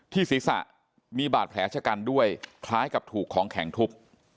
ศีรษะมีบาดแผลชะกันด้วยคล้ายกับถูกของแข็งทุบ